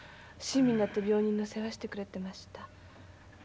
親身になって病人の世話してくれてました。